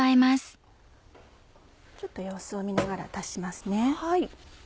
ちょっと様子を見ながら足しますね。